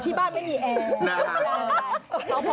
พี่บ้านเอ๋งไม่มีแอร์